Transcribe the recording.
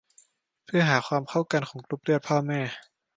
เพื่อหาความเข้ากันของกรุ๊ปเลือดพ่อแม่